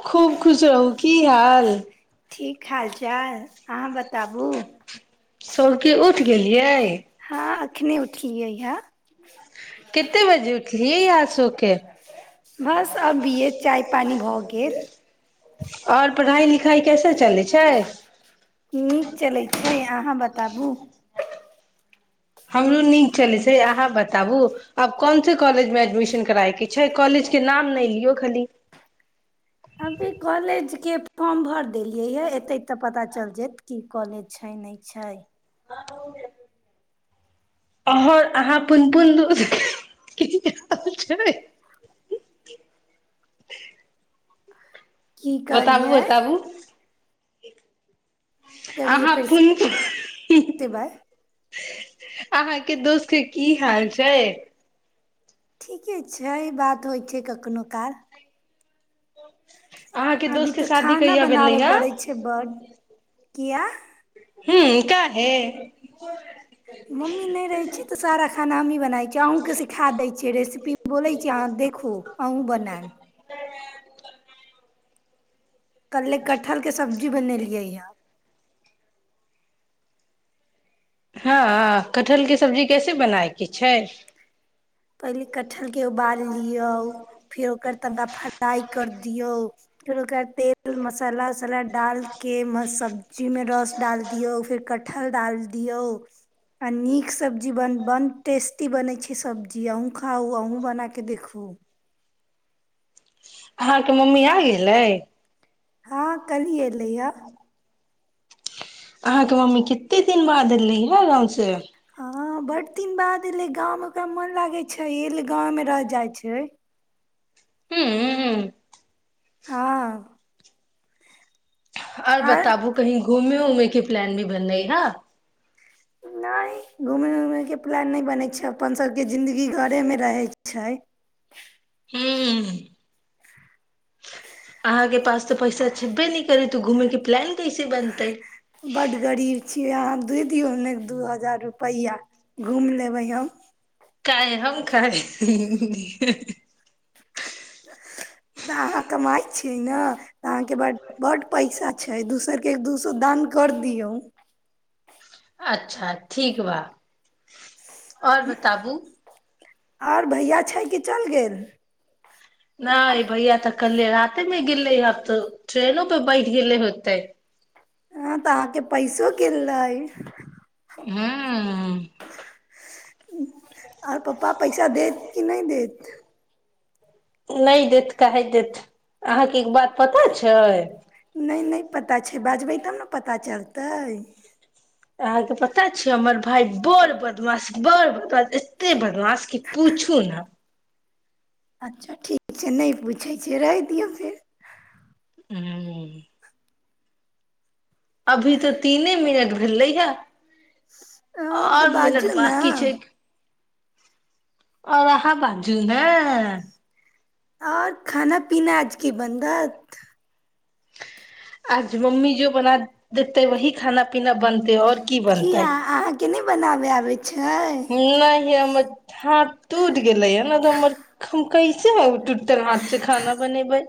खूब खुश रहू की हाल ठीक हालचाल अहाँ बताबु सौके उठि गेलियै हँ एखने उठलियै हँ केते बजे उठलिय आ सोके बस अबिये चाय पानी भ गेल आओर पढ़ाई लिखाइ कैसे चलै छैय नीक चलै छै अहाँ बताबू हमरो नीक चलै छैय अहाँ बताबु आब कोनस कॉलेज मे एडमिशन कराय के छैय कॉलेज के नाम नहि लियौ खाली अभी कॉलेज के फॉर्म भर देलियै या एते तऽ पता चल कि कॉलेज छैय नहि छैय अहर अहाँ पुन पुन [unintelligible] की बताबू कहलियै बताबु चलिये फेर अहाँके से बात दोस्तके की हाल छैय ठीके छै ई बात होइ छैय कखनहु काल अहाँके अभी दोस्त के तऽ शादी खाना कहिया भेलै बनाबय ह पड़ै छैय बड्ड किया हूँ काहे मम्मी नहि रहै छै तऽ सारा खाना हमहीँ बनाै छियै अहुूँके सिखा दै छियै रेसिपी बोलैत छी अहाँ देखू अहूँ बनायब कल्े कटहल के सब्जी बनेलियै ह हँ कटहलके सब्जी कैसे बनायके छैय पहिले कटहलके उबाल लियौ फेर ओकर तनका फ्राइ कर दियौय [unintelligible] तेल मसाला वसाला डालके म सब्जीमे रस डाल दियऔ फिर कटहल दियौय नीक सब्जी ब टेस्टी बन छैय सब् जी अ खाउ अू बना के देखखू अहाँके मम्मी आ गेलैय हँ कलिये पलय अहाँके मम्मी कते दिन बाद एलै ह गांव से हँ बड दिन बाद एलैय गाँवमे ओकरा मन लागै छैय एहिले गाँव मे रह जाइ छैय हूँ हँ आओर आ बताबू कही घूमे घूमे क प्लान भी बनलै हैँ नहि घूमय उमयके प्लान नहि बनै छैय अपन सभके जिंन्दगी घरेमे रहैय छैय हू अहा के पास तऽ पैसा छेबे नहि करैत घूमै के प्लान तीसी बनतैय के अहाँ के दिय हने दू हजार रुपैआ घुमि लेबैय हम काय हम काय तऽ अहाँ कमाइ छियै ने तऽ अहाँके बड्ड बड्ड पैसा छैय दूसरके दू सए दान कर दियौय अच्छा ठीक बा आओर बताबू आर भैया छै कि चलि गेल नहि भैय तऽ कले े मे गिे आब तऽ ट्रेनो पे बैठ गेले होते हँ तऽहाँके पैसो कनइ हँ आर पप्पा पैसा देत कि नहि देत नहि देत के देत अहाँके बात पता छै नहि नहि पता छै बाजबै तब ने पता चलतै अहाँके पता छ हमर भाय बड़ बदमाश बड़ बदमाास एते बदमाास कि पूछू ने अच्छा ठीक छै नहि पूछै छिय रहि दियौ फेर ह अभी तऽ तीने मिनट भेलै हे हँ तऽ आओर बाजू मिनट ने बकी छै ओहा ब जू ह आओर खाना पीना आज की बनत आज मम्मी जो बना देत है वी खाना केना बनतै आऔर की किया बनतै अहाँके नहि बनाबे आब नहि हम हँ टूटि गेले या ने त हमर कहै छै ह त हथ च खाना बनेबै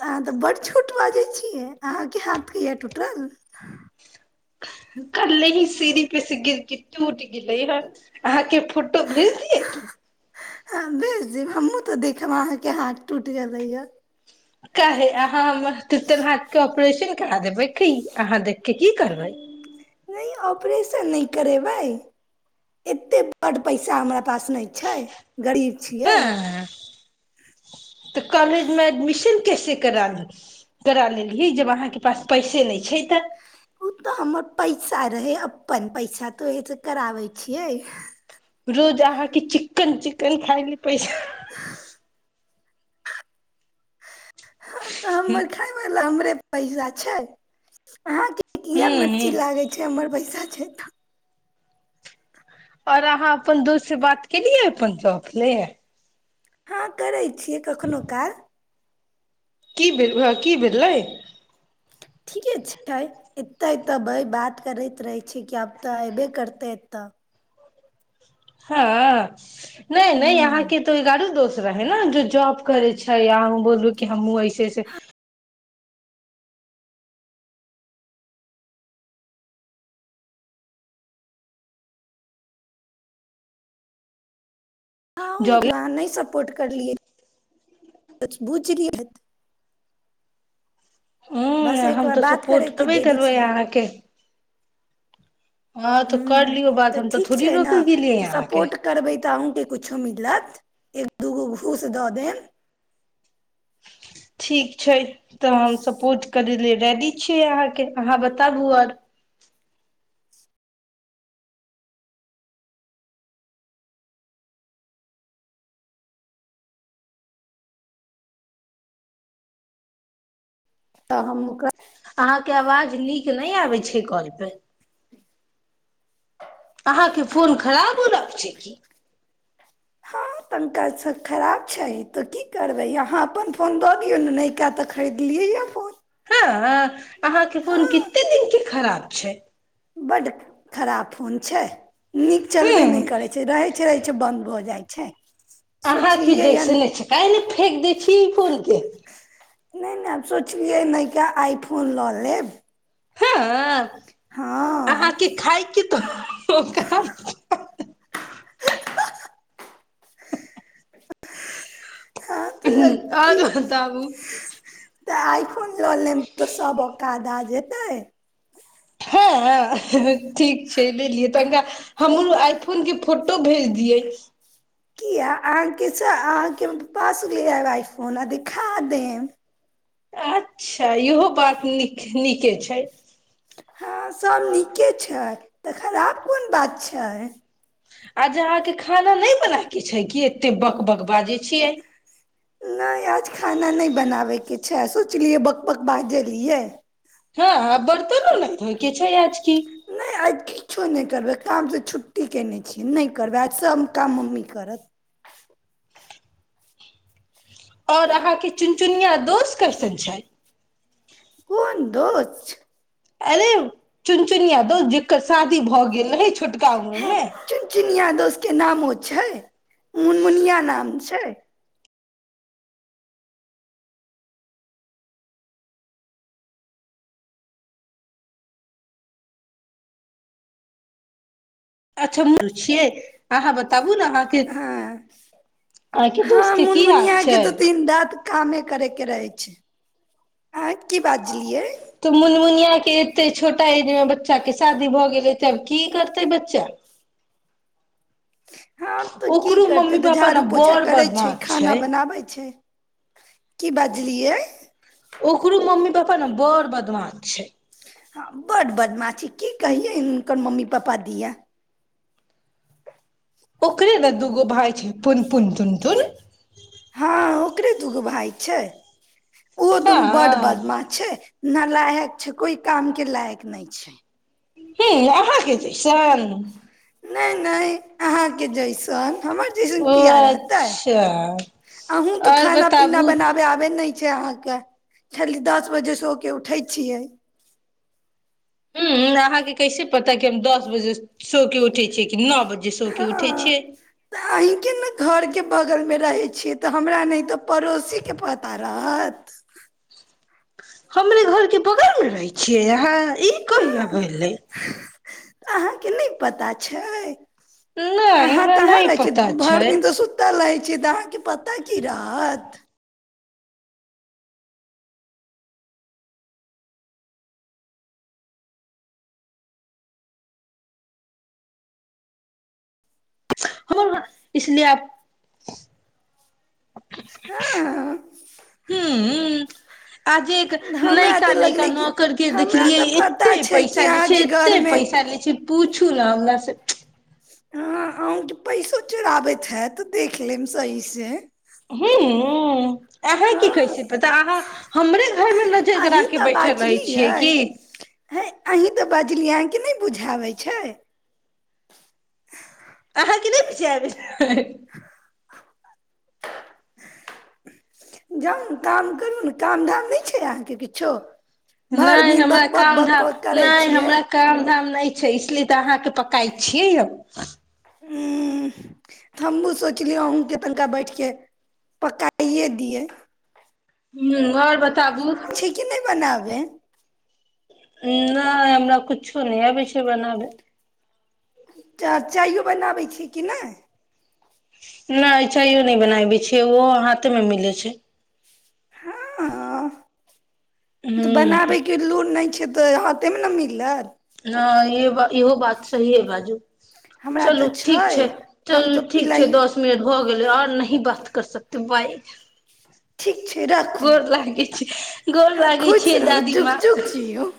तऽ अहाँ तऽ बड़ छोट बाजै छियै आकी हात क एट उट्र कल्ले ही सीढ़ी पे से गिरके टूट गे हे अहाँके फोटो भेज दिय की हँ भेज देब हमहूँ तऽ देखब अहाँके हाथ टूटि गेलैए क ह अाँ त तर हाटके ऑपरेशन कर देै देखी अहाँ देख के की करबइ नहि ऑपरेशन करेबै एते बड पैसा हमरा पास नहि छै गरीब छियै हँ तऽ कॉलेजमे एडमिशन कैसे करा ली करा लेली जब अहाँके पास पैसे नहि छै तऽ ओ तऽ हमर पैसा रहै अपन पैसा तऽ ओहिसँ कराबै छियै रोज अहाँके चिकन चिकन खाायल पैसा तऽ हमर खाब ल हमरे पैसा छै आहां के किया हूं हूं मिर्ची लागै छै हमर पैसा। छै। आओर अहाँ अपन दोस से बात केलियै अपन शौक ले। हँ करै छियै कखनो काल। की भेल की भेलेललय। ठीके छै एते तब बात करैत रहै छै कि आब तऽ एयबे करतै एतऽ हँ। नहि नहि हूँ अहाँ के त एकआरो दोस्त। रहै ने जे जॉब करै छै आा हम बोलू कि हमहूँ ऐसेऐसे। ह जॉब जाने सब। रिपोर्ट करलिए [unintelligible] हें हम तऽ सपोर्ट करबे करबै छै अहाँके। हँ तऽ कर लियौ हूँ बात तऽ हम ठीक थोड़ी छै ने रोकै गेलियै तऽ अहाँके सपोर्ट करबै तऽ अहूँके कुछो मिल- लत एक दूगो। घूस दऽ देब। ठीक छै। तऽ हम सपोज करे। रेडी छियै अहाँके अहाँ बताबु आर। तऽ हम। ओकरा अहाँके आवाज नीक नहि आबै छै कॉल पे अहाँके फोन खराब होलक छै की। हँ पंखा सब खराब छै तऽ की करबै अहाँ। अपन फोन दऽ दियौ ने नैयका तऽ खरीदलियै या फोन। हँ [unintelligible] अहाँके फोन हँ कते दिनके खराब। छै बड्ड खराब फोन छै।। नीक चलबे न ह करै छै रहै छै रहै छै बंद भ जाय छै। अहाँके ज सोचलियै न हन सुने छै काहे न फेेक दै छी ई फोन के। नहि नहि। सोचलिए नैका आइ फोन ललेब। हँ अहाँके खाय क तऽ। ओ का- [unintelligible] हँ त की आओर बताबू तऽ आइ फोन लऽ लेब तऽ सब औकाद आ जेतैय हँऽ ठीक छैय ले लियै तनिका हमरो आइ फोने के फोटो भेज दियैय किया अहाँके अहाँके पास गेलैय रहब आइफोन आ देखा देब अच्छा त इहो बात नीक नीक के छैय हँ सब नीके छैय तऽ खराब कोन बात छैय आज अहाँके खाना नहि बना- के छैय कि एते बक बक बाजै छियै नहि आज खाना नहि बनाबैके छैय सोचलियै बक बक बाजे रियै हँ ह बर्तनो नहि धोइ के छैय आज की नहि आज की कुछो नहि करबै कामसँ छुट्टी कैने छियै नहि करबै आज सभ काम मम्मी करत आओर अहाँके चुनचुनिया दोष कैसन छैय कोन दोस्त अरे चुनचुनिया दोस्त जकर शादी भऽ गेल रहै छोटका हे उमरमे चुनचुनिया दोस्तके नामो छै मुनमुनिया नाम छैय अच्छा मुर्ख छियै अहाँ बताबु ने अहाँके हँ अहाँ के दोस्त हँ के की हाल मुनमुनिया के छैय तऽ दिन रात कामे करे के रहे छै अहाँ की बाजलियै तऽ मुनमुनिया के एते छोटा ऐज मे बच्चा के- शादी भऽ गेलैय तब की करतै बच्चा हँ तऽ की ओकरो करतै मम्मी तऽ पापा झाड़ू ने पोछा बड़ करैय छैय बदमाश खाना छै बनाबै छै की बाजलियै बर बदमाश छैय हँ बड बदमाछी की कहियै हुनकर मम्मी पापा दिया ओकरे ने दूगो भाइ छै पुनपुन तुनतुन हँ ओकरे दूगो भाय छै ओ दुनू बड बदमाश छैय नलायक छैय कोई काम के लायक नहि छैय हें अहाँके जैसन नहि नहि अहाँके जैसन हमर जैसन ओ किया रहतै अच्छा अहूँ तऽ आओर खाना पीना बताबू बनाबे आबे नहि अहाँके खाली दस बजे सो के उठै छियै हू अहाँ कैसप पता कि हम दस बजे सए के उठै छियै कि नओ बजे सए के उठै छियै। ल नहि घरके बगलमे रहै छियै तऽ हमरा नहि तऽ पड़ोसी के पतारा सात। हम घरके प मे रहै छियै यहा ई कहिय भेलेय। अहां के नहि पता छय नहि अहां हमरा कहां नहि रहिये पता छए। भर छै दिन त सुतल रहिए छे। से त अहाँ के पता की रहत [unintelligible] हँ अ आज एक नैयका नैयका कि नौकर के हमरा देखलीये। तऽ एते पता छै कि पैसा लै छै अहाँके एते घरमे पैसा लैछै पूछू ना हमरा से। हाँ अंहूँ के पैसो चोरावैत हायत देखलेब सही से। हूँ अहाँ की करै हँ छियै पता अहाँ हमरे घर मे नजर गरा अहीं के तऽ बैठल रहै बाजलियै छियै की बुझआवे छै। अहाँ के नहि बुझआवै छै [unintelligible] जाउ काम करू न काम धाम नहि छै अहाँ के कि। [unintelligible] नै हमरा काम धाम करै नै छियै हमरा काम धाम नै छै इसलिए त अहां के पकाये छियै यौ हूँ हमहू सोचलिए अन्हु के तनिका बैठ के पकाये दिये। हूँ आओर बताउ छींके नै बनावे नै हमरा कुछो नय आवेछो बनावे। चा चायो बनावेय छियै की नइ नइ चायो नहि बनावे छियै ओहो हाथ मे मिले छै हाँ अ तो हूँ बनावे के लूर नै छै त हाथे मे न मिललै हाँ इहो इहो बात सहीये बाजू हमरा चलू तऽ ठीक छै छैय हम चलू तऽ ठीक छैय पिलाइए दस मिनट भ [unintelligible] अभी और नहीं बात कर सकते बाय ठीक छै [unintelligible] राखू गोर लागै छी गोर अहाँ लागै खुश छियै रहू दादी जुग मां जुग जियौ